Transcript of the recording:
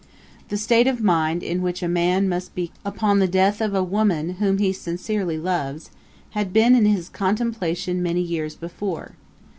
The state of mind in which a man must be upon the death of a woman whom he sincerely loves, had been in his contemplation many years before.